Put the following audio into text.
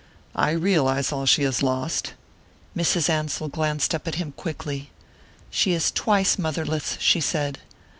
"I realize all she has lost " Mrs. Ansell glanced up at him quickly. "She is twice motherless," she said.